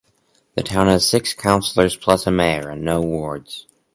The town has six councillors plus a mayor, and no wards.